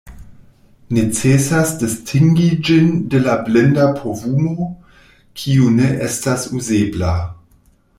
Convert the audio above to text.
Necesas distingi ĝin de la blinda povumo, kiu ne estas uzebla.